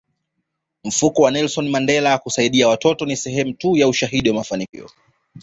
Mfuko wa Nelson Mandela wa kusaidia watoto ni sehemu tu ya ushahidi wa mafanikio